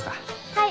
はい！